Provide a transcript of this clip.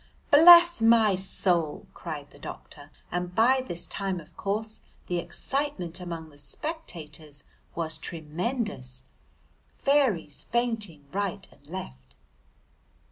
"Bless my soul!" cried the doctor, and by this time of course the excitement among the spectators was tremendous, fairies fainting right and left.